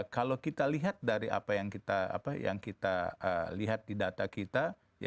kalau kita lihat dari apa yang kita lihat di data kita